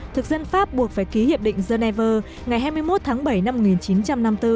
thực dân pháp buộc phải ký hiệp định geneva ngày hai mươi một tháng bảy năm một nghìn chín trăm năm mươi bốn